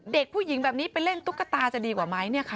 เด็กผู้หญิงแบบนี้ไปเล่นตุ๊กตาจะดีกว่าไหม